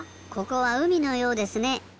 ここはうみのようですね。